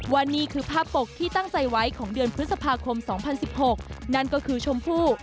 นี่คือภาพปกที่ตั้งใจไว้ของเดือนพฤษภาคม๒๐๑๖นั่นก็คือชมพู่